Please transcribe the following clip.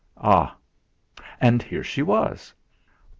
Ah! And here she was!